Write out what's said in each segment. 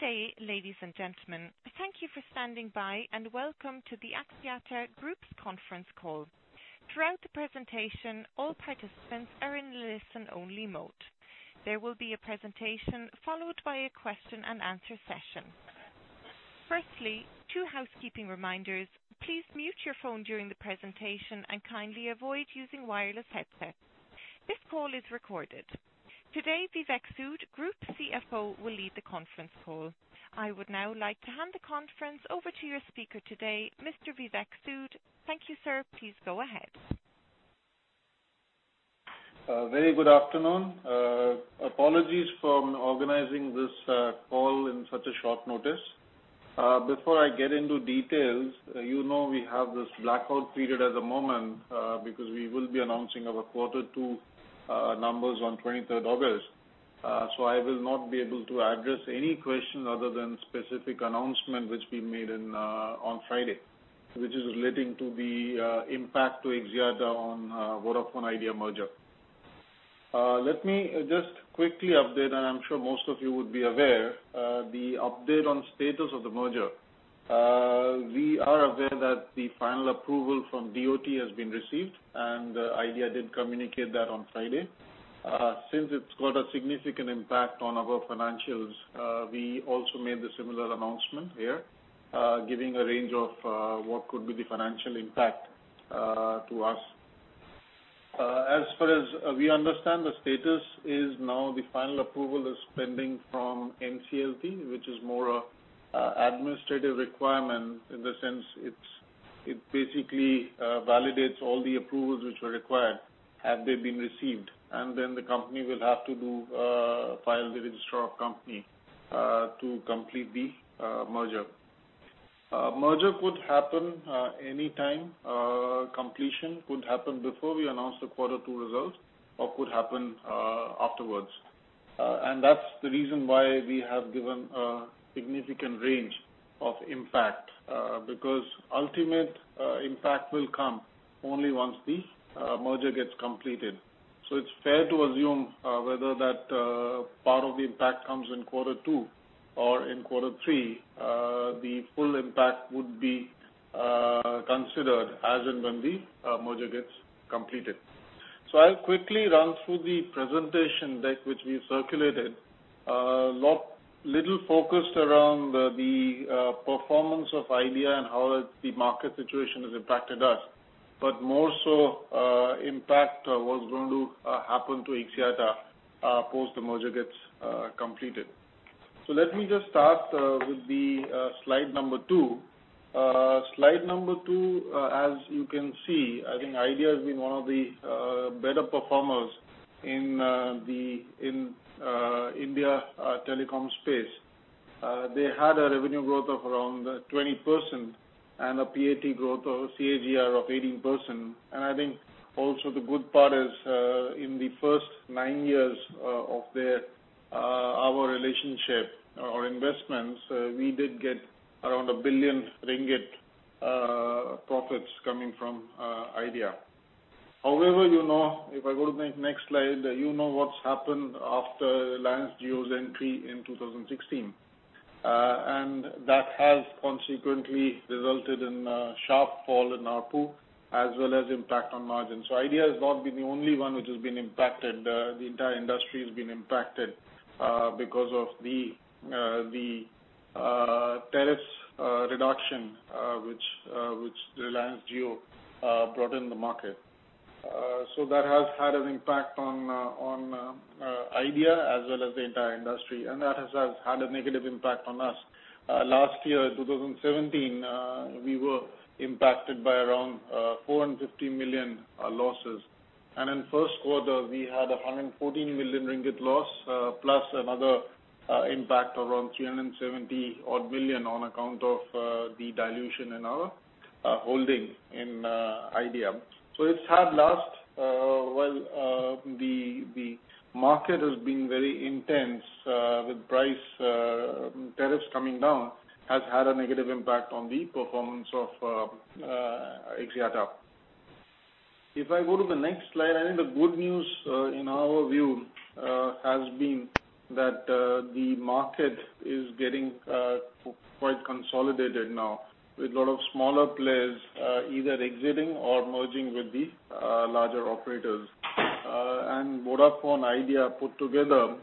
Good day, ladies and gentlemen. Thank you for standing by, welcome to the Axiata Group's conference call. Throughout the presentation, all participants are in listen only mode. There will be a presentation followed by a question and answer session. Firstly, two housekeeping reminders. Please mute your phone during the presentation kindly avoid using wireless headsets. This call is recorded. Today, Vivek Sood, Group CFO, will lead the conference call. I would now like to hand the conference over to your speaker today, Mr. Vivek Sood. Thank you, sir. Please go ahead. Very good afternoon. Apologies for organizing this call in such a short notice. Before I get into details, you know we have this blackout period at the moment because we will be announcing our quarter two numbers on 23rd August. I will not be able to address any question other than specific announcement which we made on Friday, which is relating to the impact to Axiata on Vodafone Idea merger. Let me just quickly update, I am sure most of you would be aware, the update on status of the merger. We are aware that the final approval from DOT has been received, Idea did communicate that on Friday. Since it's got a significant impact on our financials, we also made the similar announcement here, giving a range of what could be the financial impact to us. As far as we understand, the status is now the final approval is pending from NCLT, which is more of administrative requirement in the sense it basically validates all the approvals which were required, had they been received. The company will have to file the registrar company, to complete the merger. Merger could happen anytime. Completion could happen before we announce the quarter two results or could happen afterwards. That's the reason why we have given a significant range of impact, because ultimate impact will come only once the merger gets completed. It's fair to assume, whether that part of the impact comes in quarter two or in quarter three, the full impact would be considered as and when the merger gets completed. I'll quickly run through the presentation deck which we circulated. Little focused around the performance of Idea and how the market situation has impacted us, but more so, impact what's going to happen to Axiata post the merger gets completed. Let me just start with the slide number two. Slide number two, as you can see, I think Idea has been one of the better performers in India telecom space. They had a revenue growth of around 20% a PAT growth or CAGR of 18%. I think also the good part is, in the first nine years of our relationship or investments, we did get around 1 billion ringgit profits coming from Idea. However, if I go to the next slide, you know what's happened after Reliance Jio's entry in 2016. That has consequently resulted in a sharp fall in ARPU as well as impact on margin. Idea has not been the only one which has been impacted. The entire industry has been impacted because of the tariff reduction which Reliance Jio brought in the market. That has had an impact on Idea as well as the entire industry, and that has had a negative impact on us. Last year, 2017, we were impacted by around 450 million losses. In first quarter, we had a 114 million ringgit loss, plus another impact around 370 odd million on account of the dilution in our holding in Idea. It has had last, the market has been very intense, with price tariffs coming down has had a negative impact on the performance of Axiata. If I go to the next slide, I think the good news in our view has been that the market is getting quite consolidated now with a lot of smaller players either exiting or merging with the larger operators. Vodafone Idea put together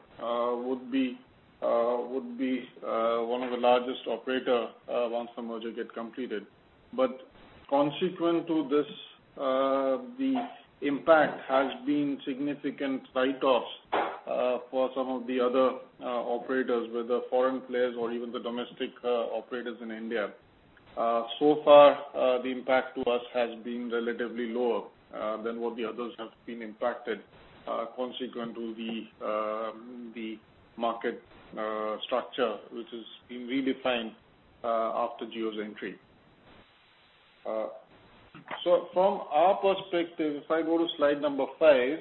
would be one of the largest operator once the merger gets completed. But consequent to this, the impact has been significant write-offs for some of the other operators, whether foreign players or even the domestic operators in India. So far, the impact to us has been relatively lower than what the others have been impacted, consequent to the market structure, which has been redefined after Jio's entry. From our perspective, if I go to slide number five,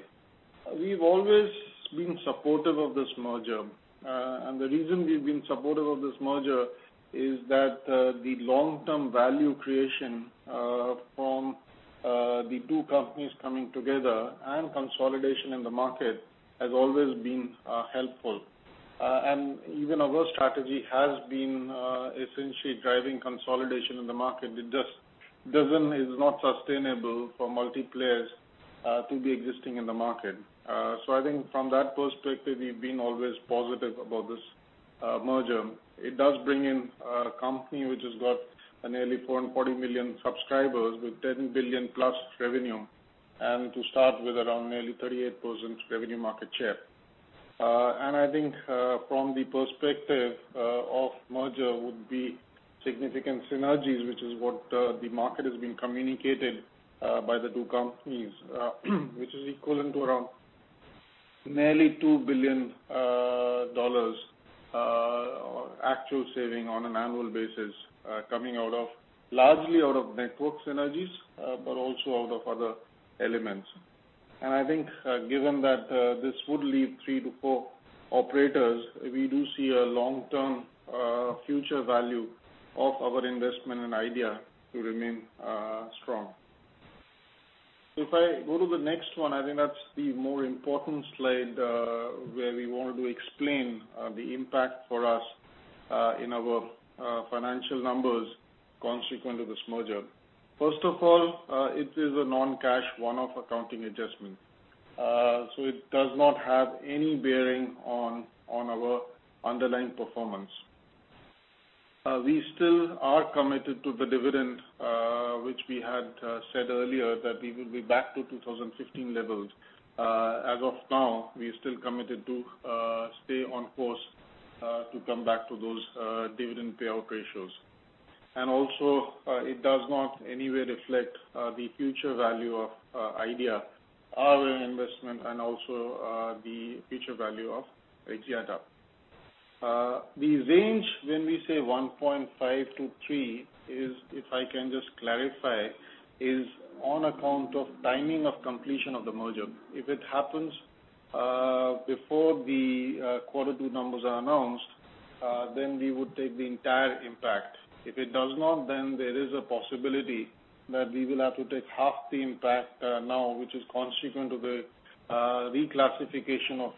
we have always been supportive of this merger. The reason we have been supportive of this merger is that the long-term value creation from the two companies coming together and consolidation in the market has always been helpful. Even our strategy has been essentially driving consolidation in the market. It just is not sustainable for multi-players to be existing in the market. I think from that perspective, we have been always positive about this merger. It does bring in a company which has got nearly 440 million subscribers with 10 billion plus revenue, and to start with around nearly 38% revenue market share. I think from the perspective of merger would be significant synergies, which is what the market has been communicating by the two companies, which is equivalent to around nearly MYR 2 billion actual saving on an annual basis, coming largely out of network synergies but also out of other elements. I think, given that this would leave three to four operators, we do see a long-term future value of our investment in Idea to remain strong. If I go to the next one, I think that is the more important slide where we wanted to explain the impact for us in our financial numbers consequent to this merger. First of all, it is a non-cash, one-off accounting adjustment. It does not have any bearing on our underlying performance. We still are committed to the dividend, which we had said earlier, that we will be back to 2015 levels. As of now, we are still committed to stay on course to come back to those dividend payout ratios. Also, it does not anywhere reflect the future value of Idea, our investment, and also the future value of Axiata. The range when we say 1.5-3 is, if I can just clarify, is on account of timing of completion of the merger. If it happens before the quarter two numbers are announced, then we would take the entire impact. If it does not, then there is a possibility that we will have to take half the impact now, which is consequent to the reclassification of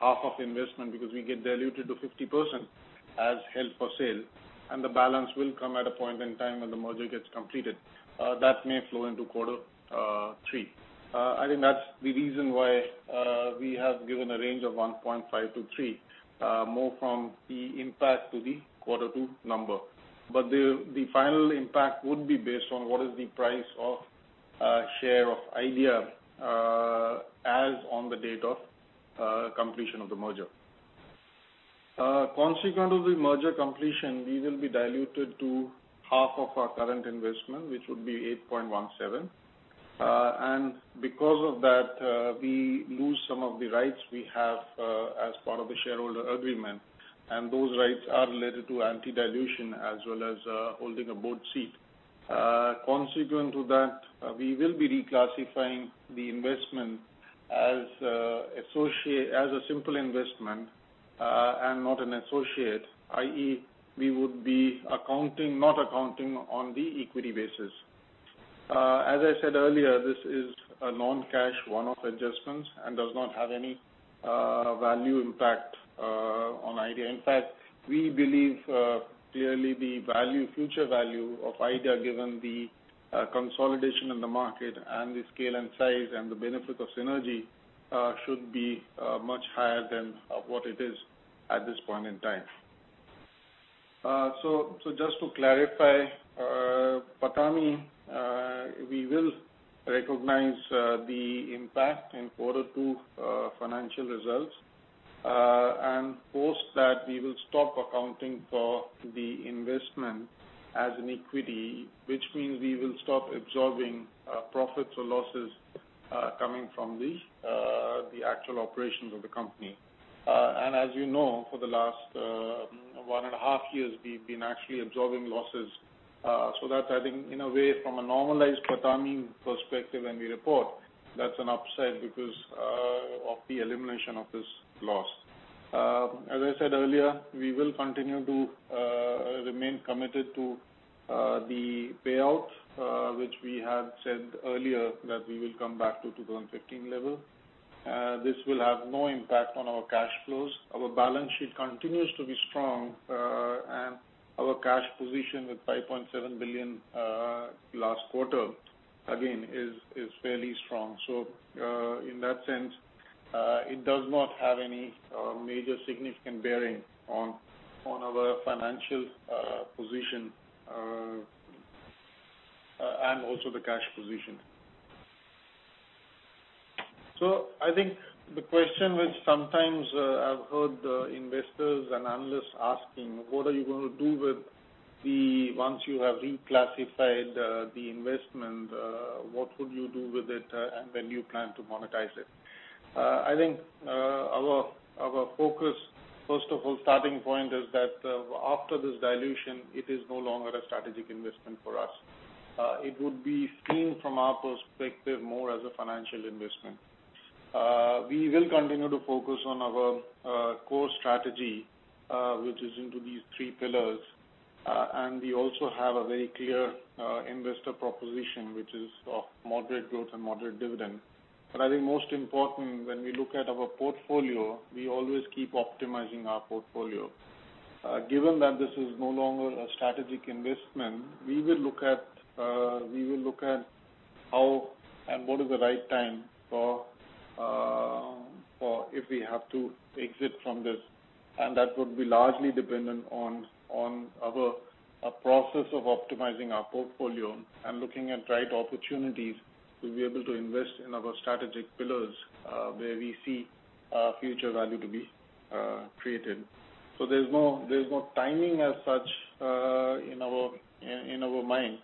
half of investment because we get diluted to 50% as held for sale, and the balance will come at a point in time when the merger gets completed. That may flow into quarter three. I think that's the reason why we have given a range of 1.5-3, more from the impact to the quarter two number. The final impact would be based on what is the price of a share of Idea as on the date of completion of the merger. Consequent of the merger completion, we will be diluted to half of our current investment, which would be 8.17%. Because of that, we lose some of the rights we have as part of the shareholder agreement. Those rights are related to anti-dilution as well as holding a board seat. Consequent to that, we will be reclassifying the investment as a simple investment and not an associate, i.e., we would be not accounting on the equity basis. As I said earlier, this is a non-cash, one-off adjustment and does not have any value impact on Idea. In fact, we believe clearly the future value of Idea, given the consolidation in the market and the scale and size and the benefit of synergy, should be much higher than what it is at this point in time. Just to clarify, PATAMI, we will recognize the impact in quarter two financial results. Post that, we will stop accounting for the investment as an equity, which means we will stop absorbing profits or losses coming from the actual operations of the company. As you know, for the last one and a half years, we've been actually absorbing losses. That's, I think, in a way, from a normalized PATAMI perspective when we report, that's an upside because of the elimination of this loss. As I said earlier, we will continue to remain committed to the payouts, which we had said earlier, that we will come back to 2015 level. This will have no impact on our cash flows. Our balance sheet continues to be strong. Our cash position with 5.7 billion last quarter, again, is fairly strong. In that sense, it does not have any major significant bearing on our financial position and also the cash position. I think the question which sometimes I've heard investors and analysts asking, once you have reclassified the investment, what would you do with it and when do you plan to monetize it? I think our focus, first of all, starting point is that after this dilution, it is no longer a strategic investment for us. It would be seen from our perspective more as a financial investment. We will continue to focus on our core strategy, which is into these three pillars. We also have a very clear investor proposition, which is of moderate growth and moderate dividend. I think most important, when we look at our portfolio, we always keep optimizing our portfolio. Given that this is no longer a strategic investment, we will look at how and what is the right time for if we have to exit from this, and that would be largely dependent on our process of optimizing our portfolio and looking at right opportunities to be able to invest in our strategic pillars, where we see future value to be created. There's no timing as such in our mind,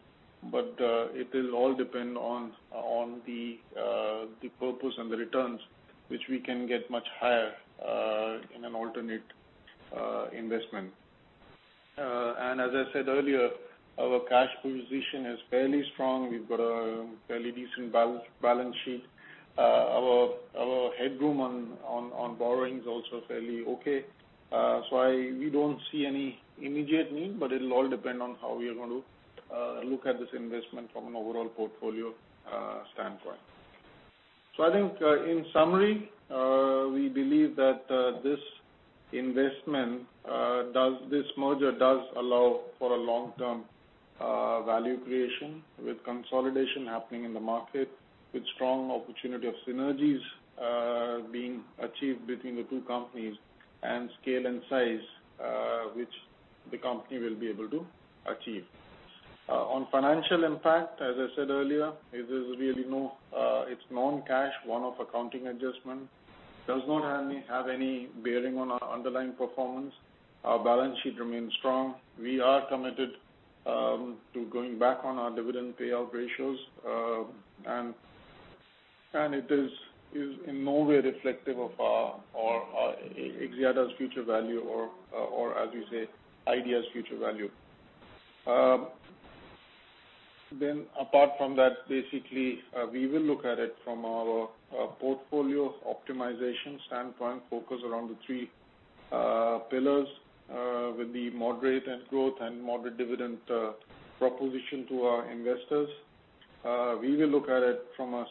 but it is all depend on the purpose and the returns which we can get much higher in an alternate investment. As I said earlier, our cash position is fairly strong. We've got a fairly decent balance sheet. Our headroom on borrowings also fairly okay. We don't see any immediate need, but it will all depend on how we are going to look at this investment from an overall portfolio standpoint. I think in summary, we believe that this merger does allow for a long-term value creation with consolidation happening in the market, with strong opportunity of synergies being achieved between the two companies, and scale and size, which the company will be able to achieve. On financial impact, as I said earlier, it's non-cash, one-off accounting adjustment. Does not have any bearing on our underlying performance. Our balance sheet remains strong. We are committed to going back on our dividend payout ratios. It is in no way reflective of our Axiata's future value or, as you say, Idea's future value. Apart from that, basically, we will look at it from our portfolio optimization standpoint, focus around the three pillars with the moderate end growth and moderate dividend proposition to our investors. We will look at it from an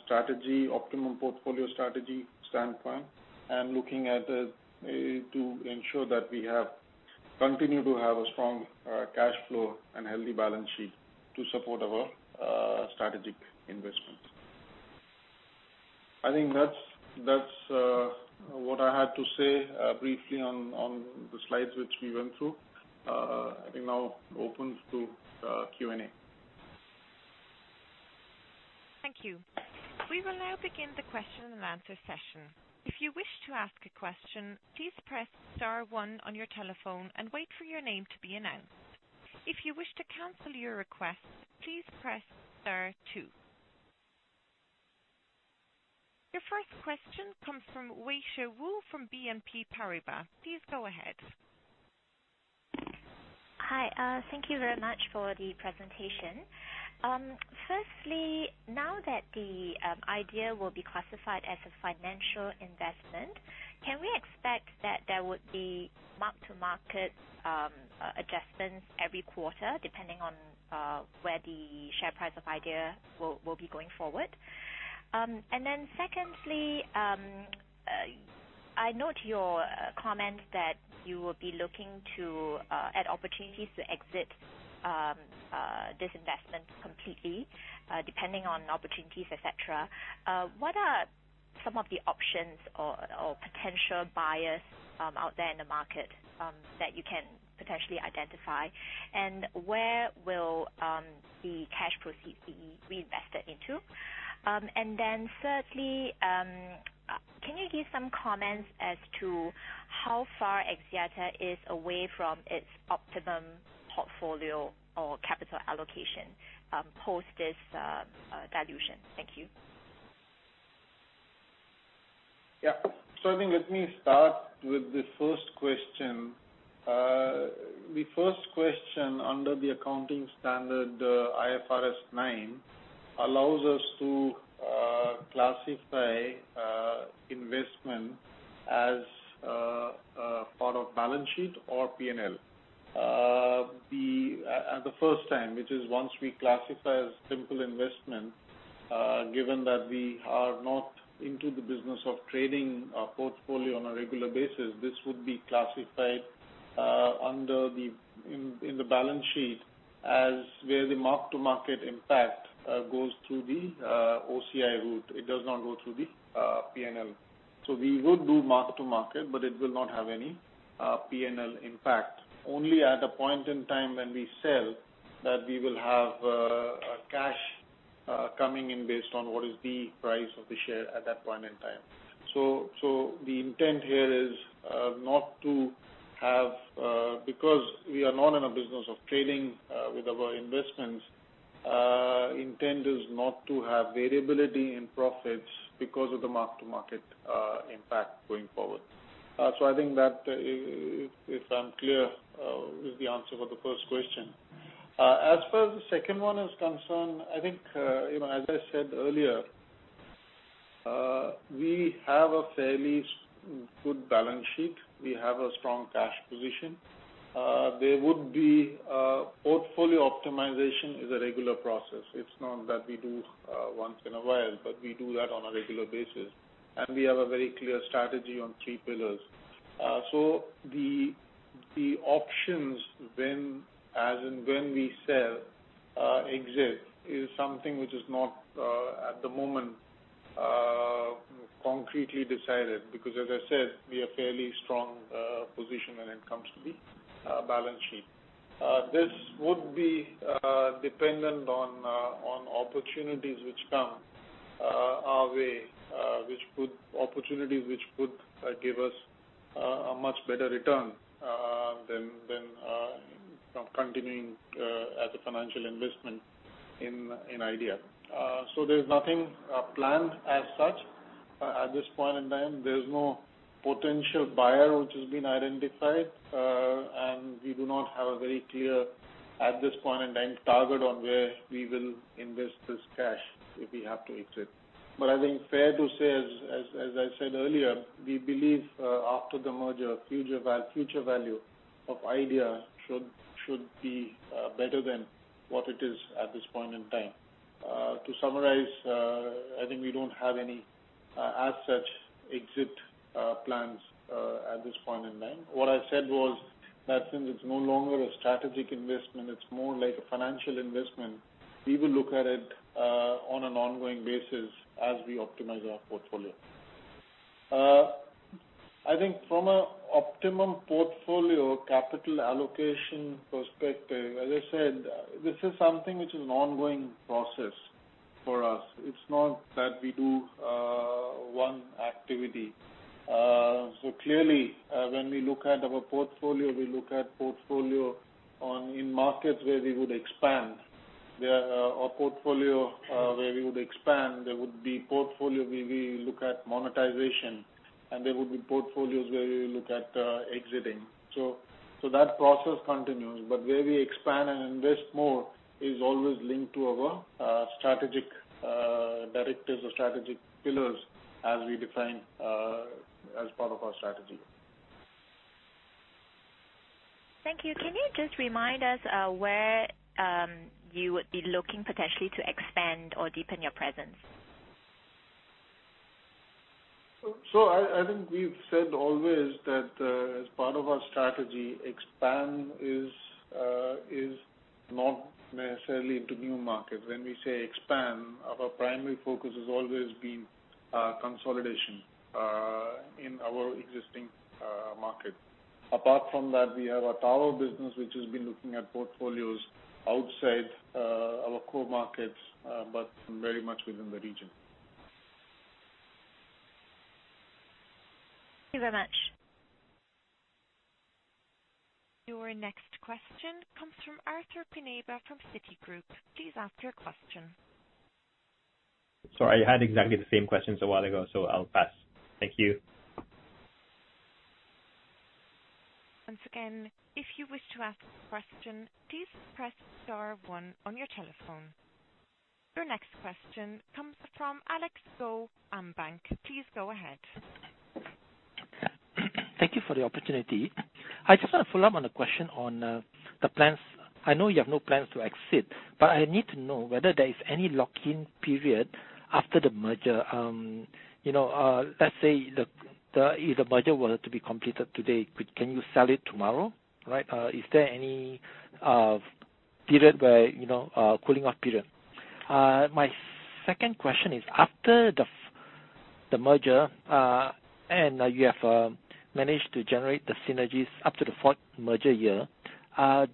optimum portfolio strategy standpoint and looking at it to ensure that we continue to have a strong cash flow and healthy balance sheet to support our strategic investments. I think that's what I had to say briefly on the slides, which we went through. I think now opens to Q&A. Thank you. We will now begin the question and answer session. If you wish to ask a question, please press star one on your telephone and wait for your name to be announced. If you wish to cancel your request, please press star two. Your first question comes from Wei Shi Wu from BNP Paribas. Please go ahead. Hi. Thank you very much for the presentation. Firstly, now that Idea will be classified as a financial investment, can we expect that there would be mark-to-market adjustments every quarter, depending on where the share price of Idea will be going forward? Secondly, I note your comment that you will be looking to add opportunities to exit this investment completely, depending on opportunities, et cetera. What are some of the options or potential buyers out there in the market that you can potentially identify, and where will the cash proceeds be reinvested into? Thirdly, can you give some comments as to how far Axiata is away from its optimum portfolio or capital allocation post this dilution? Thank you. I think let me start with the first question. The first question under the accounting standard IFRS 9 allows us to classify investment as a part of balance sheet or P&L. The first time, which is once we classify as simple investment, given that we are not into the business of trading our portfolio on a regular basis, this would be classified in the balance sheet as where the mark-to-market impact goes through the OCI route. It does not go through the P&L. We would do mark-to-market, but it will not have any P&L impact. Only at a point in time when we sell that we will have a cash coming in based on what is the price of the share at that point in time. The intent here is, because we are not in a business of trading with our investments, intent is not to have variability in profits because of the mark-to-market impact going forward. I think that, if I'm clear, is the answer for the first question. As far as the second one is concerned, I think as I said earlier, we have a fairly good balance sheet. We have a strong cash position. Portfolio optimization is a regular process. It's not that we do once in a while, but we do that on a regular basis, and we have a very clear strategy on three pillars. The options as and when we sell, exist, is something which is not at the moment concretely decided because as I said, we are fairly strong position when it comes to the balance sheet. This would be dependent on opportunities which come our way, opportunities which would give us a much better return than continuing as a financial investment in Idea. There's nothing planned as such at this point in time. There's no potential buyer which has been identified. We do not have a very clear, at this point in time, target on where we will invest this cash if we have to exit. I think fair to say, as I said earlier, we believe after the merger, future value of Idea should be better than what it is at this point in time. To summarize, I think we don't have any as such exit plans at this point in time. What I said was that since it's no longer a strategic investment, it's more like a financial investment. We will look at it on an ongoing basis as we optimize our portfolio. I think from an optimum portfolio capital allocation perspective, as I said, this is something which is an ongoing process for us. It's not that we do one activity. Clearly, when we look at our portfolio, we look at portfolio in markets where we would expand. There are portfolio where we would expand, there would be portfolio where we look at monetization, and there would be portfolios where we look at exiting. That process continues, but where we expand and invest more is always linked to our strategic directives or strategic pillars as we define as part of our strategy. Thank you. Can you just remind us where you would be looking potentially to expand or deepen your presence? I think we've said always that as part of our strategy, expand is not necessarily into new markets. When we say expand, our primary focus has always been consolidation in our existing market. Apart from that, we have our tower business which has been looking at portfolios outside our core markets but very much within the region. Thank you very much. Your next question comes from Arthur Pineda from Citigroup. Please ask your question. Sorry, I had exactly the same questions a while ago. I'll pass. Thank you. Once again, if you wish to ask a question, please press star one on your telephone. Your next question comes from Alex Goh, AmBank. Please go ahead. Thank you for the opportunity. I just want to follow up on a question on the plans. I know you have no plans to exit, I need to know whether there is any lock-in period after the merger. Let's say if the merger were to be completed today, can you sell it tomorrow? Is there any cooling off period? My second question is after the merger, you have managed to generate the synergies up to the fourth merger year,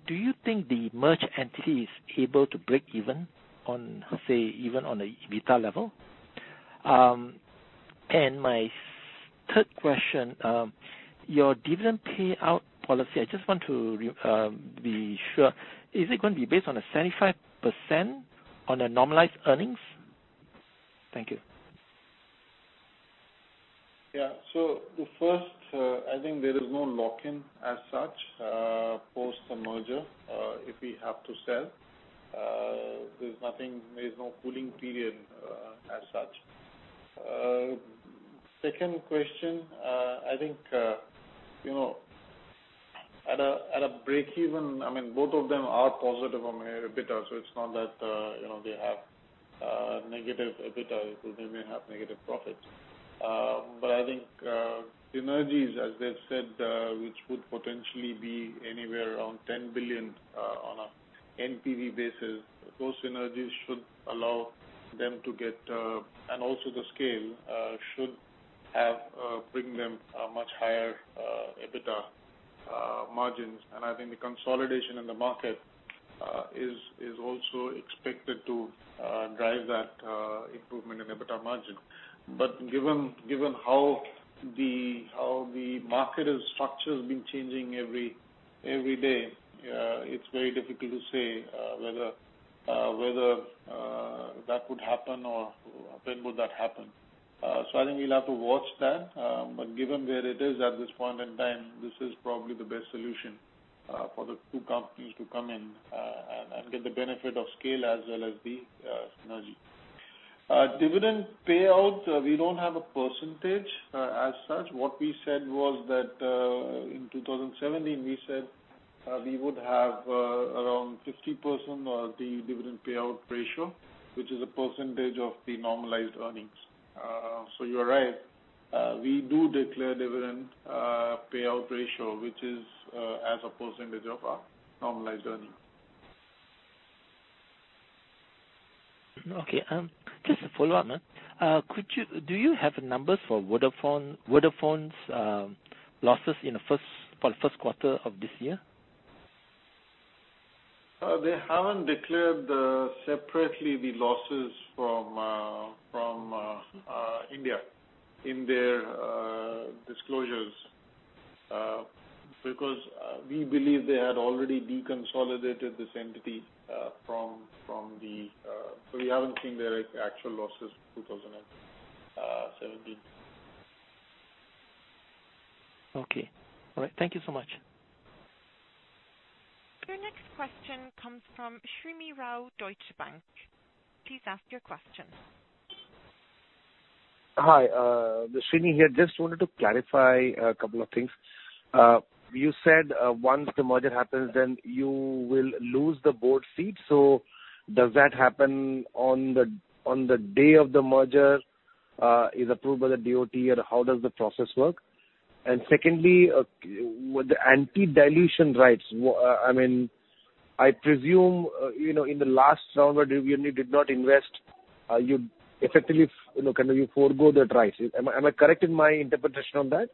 do you think the merged entity is able to break even on, say, even on a EBITDA level? My third question, your dividend payout policy, I just want to be sure, is it going to be based on a 75% on a normalized earnings? Thank you. The first, I think there is no lock-in as such post the merger if we have to sell. There's no cooling period as such. Second question, I think at a break even, both of them are positive on EBITDA, so it's not that they have negative EBITDA, so they may have negative profits. I think synergies, as they've said, which would potentially be anywhere around 10 billion on a NPV basis, those synergies should allow them. Also the scale should bring them a much higher EBITDA margins. I think the consolidation in the market is also expected to drive that improvement in EBITDA margin. Given how the market structure has been changing every day, it's very difficult to say whether that would happen or when would that happen. I think we'll have to watch that. Given where it is at this point in time, this is probably the best solution for the two companies to come in and get the benefit of scale as well as the synergy. Dividend payout, we don't have a percentage as such. What we said was that in 2017, we said we would have around 50% of the dividend payout ratio, which is a percentage of the normalized earnings. You are right, we do declare dividend payout ratio, which is as a percentage of our normalized earning. Okay. Just a follow-up, man. Do you have numbers for Vodafone's losses for the first quarter of this year? They haven't declared separately the losses from India in their disclosures, because we believe they had already deconsolidated this entity. We haven't seen their actual losses for 2017. Okay. All right. Thank you so much. Your next question comes from Srinivas Rao, Deutsche Bank. Please ask your question. Hi. This is Srini here. Just wanted to clarify a couple of things. You said once the merger happens, then you will lose the board seat. Does that happen on the day of the merger, is approved by the DOT, or how does the process work? Secondly, with the anti-dilution rights, I presume, in the last round where you did not invest, effectively you forego that right. Am I correct in my interpretation of that?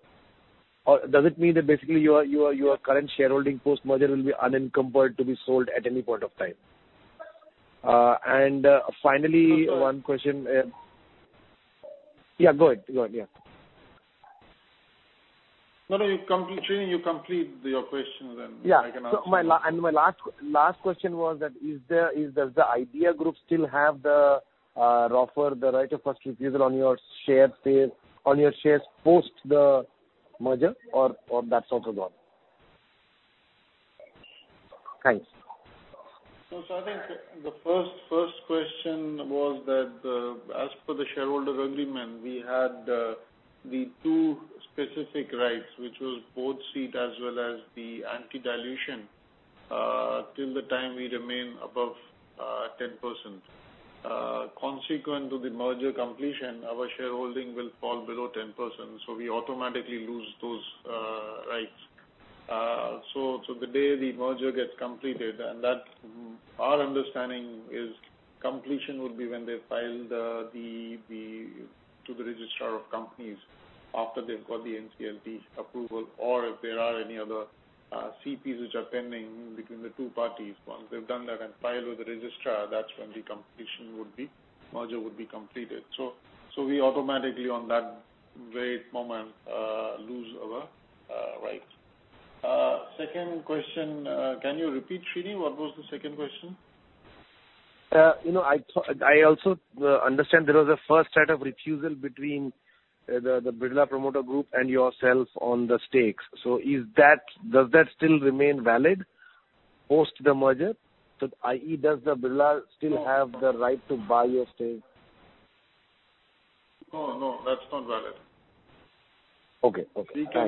Does it mean that basically your current shareholding post-merger will be unencumbered to be sold at any point of time? Finally, Yeah, go ahead. Srini, you complete your question, then I can answer. Yeah. My last question was that, does the Idea group still have the right of first refusal on your shares post the merger, or that's also gone? Thanks. I think the first question was that, as per the shareholder agreement, we had the two specific rights, which was board seat as well as the anti-dilution, till the time we remain above 10%. Consequent to the merger completion, our shareholding will fall below 10%, so we automatically lose those rights. The day the merger gets completed, and our understanding is completion will be when they file to the registrar of companies after they've got the NCLT approval, or if there are any other CPs which are pending between the two parties. Once they've done that and filed with the registrar, that's when the merger would be completed. We automatically, on that very moment, lose our rights. Second question, can you repeat, Srini, what was the second question? I also understand there was a first right of refusal between the Birla promoter group and yourself on the stakes. Does that still remain valid post the merger? That i.e., does the Birla still have the right to buy your stake? No, that's not valid. Okay.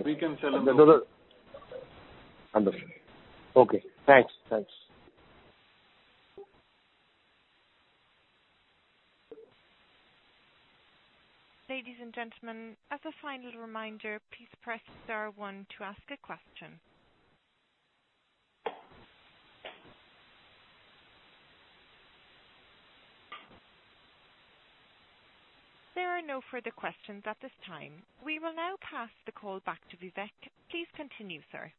We can sell it. Understood. Okay. Thanks. Ladies and gentlemen, as a final reminder, please press star one to ask a question. There are no further questions at this time. We will now pass the call back to Vivek. Please continue, sir.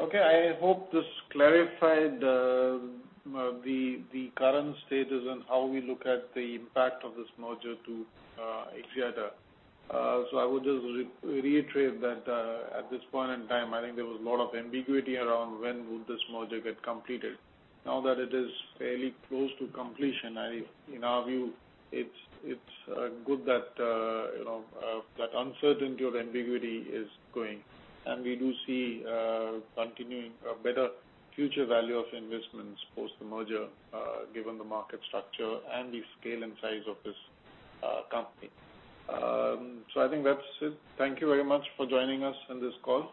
Okay. I hope this clarified the current stages and how we look at the impact of this merger to Axiata. I would just reiterate that at this point in time, I think there was a lot of ambiguity around when would this merger get completed. Now that it is fairly close to completion, in our view, it's good that uncertainty or ambiguity is going. We do see a better future value of investments post the merger, given the market structure and the scale and size of this company. I think that's it. Thank you very much for joining us on this call.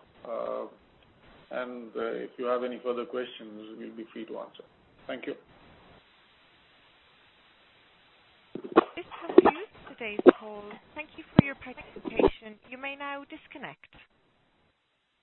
If you have any further questions, we'll be free to answer. Thank you. This concludes today's call. Thank you for your participation. You may now disconnect.